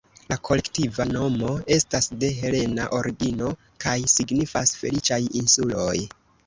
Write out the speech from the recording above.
La kolektiva nomo estas de helena origino kaj signifas "feliĉaj insuloj".